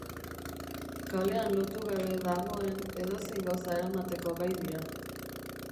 Kalean lotu gabe dagoen edozein gauza eramateko gai dira.